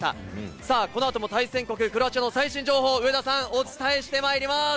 さあ、このあとも対戦国、クロアチアの最新情報、上田さん、お伝えしてまいります。